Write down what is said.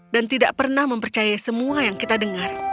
dan tidak pernah mempercayai semua yang kita dengar